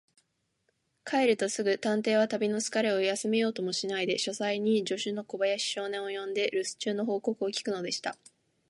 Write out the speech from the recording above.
帰るとすぐ、探偵は旅のつかれを休めようともしないで、書斎に助手の小林少年を呼んで、るす中の報告を聞くのでした。